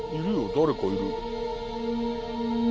誰かいる。